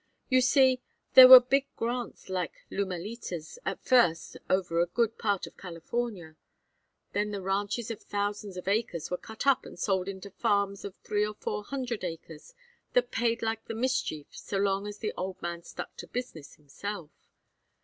You see, there were big grants like Lumalitas at first over a good part of California. Then the ranches of thousands of acres were cut up and sold into farms of three or four hundred acres that paid like the mischief so long as the old man stuck to business himself.